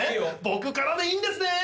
僕からでいいんですね